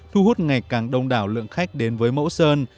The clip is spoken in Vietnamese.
thu hút ngày càng đông đảo lượng khách đến với mẫu sơn